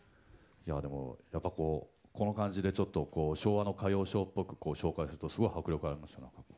いやでもやっぱこうこの感じでちょっとこう昭和の歌謡ショーっぽく紹介するとすごい迫力ありました何か。